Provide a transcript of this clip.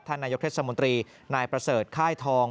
นายกเทศมนตรีนายประเสริฐค่ายทอง